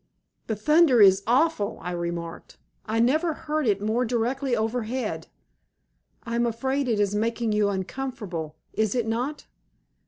"The thunder is awful!" I remarked. "I never heard it more directly overhead. I am afraid it is making you uncomfortable, is it not?"